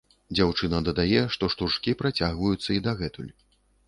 Дзяўчына дадае, што штуршкі працягваюцца і дагэтуль.